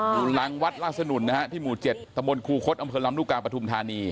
หูลังวัดลาสนุนนะฮะที่หมู่๗ตมครูคสอำเภอลำรุกาปฐุมธานี